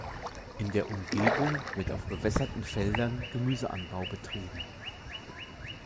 In der Umgebung wird auf bewässerten Feldern Gemüseanbau betrieben.